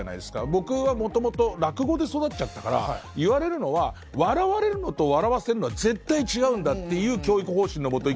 僕は元々落語で育っちゃったから言われるのは「笑われるのと笑わせるのは絶対違うんだ」っていう教育方針の下生きて。